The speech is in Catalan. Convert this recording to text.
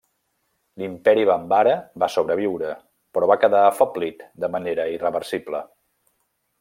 L'Imperi Bambara va sobreviure però va quedar afeblit de manera irreversible.